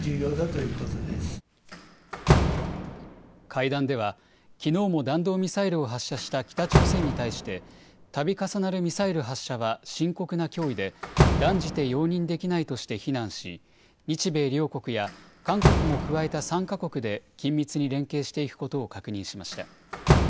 会談では、きのうも弾道ミサイルを発射した北朝鮮に対して、たび重なるミサイル発射は深刻な脅威で、断じて容認できないとして非難し、日米両国や韓国も加えた３か国で、緊密に連携していくことを確認しました。